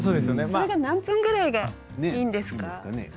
何分ぐらいがいいんですか？